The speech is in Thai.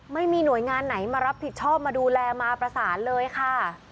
ไม่มีหน่วยงานไหนมารับผิดชอบมาดูแลมาประสานเลยค่ะ